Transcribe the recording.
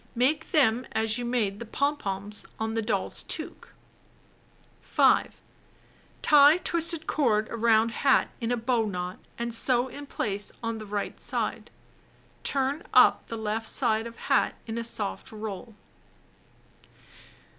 Make them as you made the pom poms on doll's toque (page 95). 5. Tie twisted cord around hat in a bow knot and sew in place on the right side. Turn up the left side of hat in a soft roll.